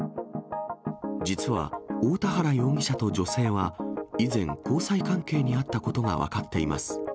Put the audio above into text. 実は大田原容疑者と女性は以前、交際関係にあったことが分かっています。